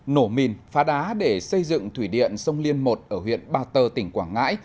nổ mìn phá đá để xây dựng thủy điện sông liên một ở huyện ba tơ tỉnh quảng ngãi